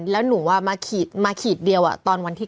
แล้วหนูมาขีดเดียวตอนวันที่๑